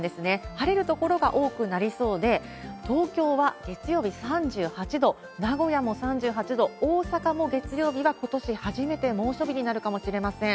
晴れる所が多くなりそうで、東京は月曜日３８度、名古屋も３８度、大阪も月曜日はことし初めて猛暑日になるかもしれません。